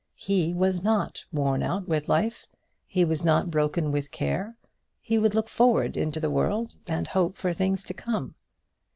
He was not worn out with life; he was not broken with care; he would look forward into the world, and hope for things to come.